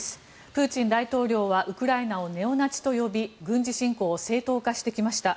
プーチン大統領はウクライナをネオナチと呼び軍事侵攻を正当化してきました。